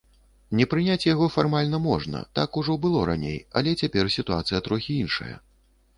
Не прыняць яго фармальна можна, так ужо было раней, але цяпер сітуацыя трохі іншая.